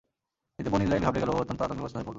এতে বনী ইসরাইল ঘাবড়ে গেল ও অত্যন্ত আতংকগ্রস্ত হয়ে পড়ল।